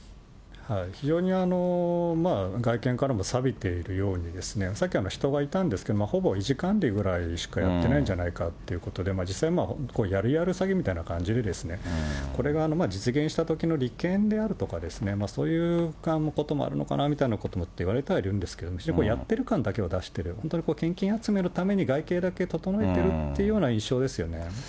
非常に外見からもさびているように、さっき人がいたんですけど、ほぼ維持管理ぐらいしかやってないんじゃないかということで、実際まあ、やるやる詐欺みたいな感じで、これが実現したときの利権であるとか、そういうこともあるのかなということもいわれてはいるんですけれども、非常にこれやってる感だけは出してる、本当に献金集めるために外形だけ整えているという印象ですよね。